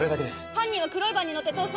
犯人は黒いバンに乗って逃走！